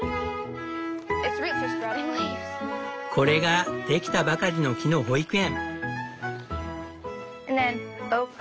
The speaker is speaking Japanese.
これができたばかりの木の保育園。